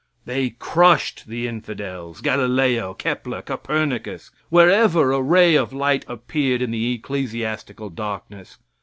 They crushed the infidels, Galileo, Kepler, Copernicus, wherever a ray of light appeared in the ecclesiastical darkness.